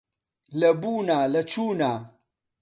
لە بوونا لە چوونا